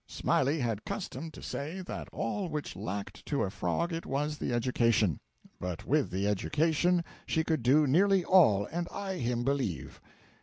Smiley had custom to say that all which lacked to a frog it was the education, but with the education she could do nearly all and I him believe.